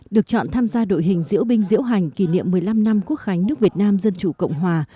được chọn tham gia đội hình diễu binh diễu hành kỷ niệm một mươi năm năm quốc khánh nước việt nam dân chủ cộng hòa